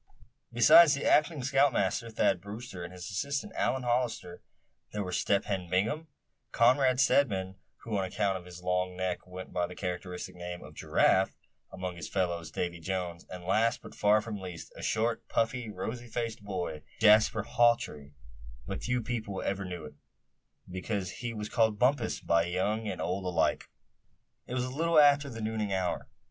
Besides the acting scoutmaster, Thad Brewster, and his assistant, Allan Hollister, there were Step Hen Bingham; Conrad Stedman, who on account of his long neck went by the characteristic name of "Giraffe" among his fellows; Davy Jones; and last but far from least a short, puffy, rosy faced boy who had once been christened Cornelius Jasper Hawtree; but few people ever knew it, because he was called Bumpus by young and old alike. It was a little after the nooning hour.